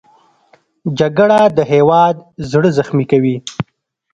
جګړه د هېواد زړه زخمي کوي